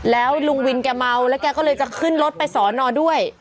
แล้วลุงวินแกเมาแล้วแกก็เลยจะขึ้นรถไปสอนอด้วย